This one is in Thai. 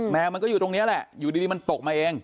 แมวมันก็อยู่ตรงนี้แหละอยู่ดีมันตกมาเอง